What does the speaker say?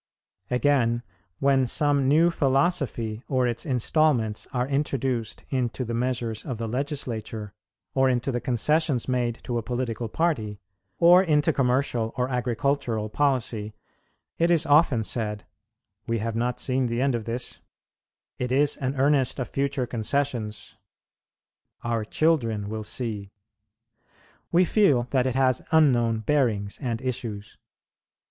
Again, when some new philosophy or its instalments are introduced into the measures of the Legislature, or into the concessions made to a political party, or into commercial or agricultural policy, it is often said, "We have not seen the end of this;" "It is an earnest of future concessions;" "Our children will see." We feel that it has unknown bearings and issues.